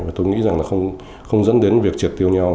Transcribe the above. và tôi nghĩ rằng là không dẫn đến việc trượt tiêu nhau